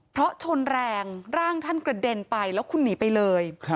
เพราะชนแรงร่างท่านกระเด็นไปแล้วคุณหนีไปเลย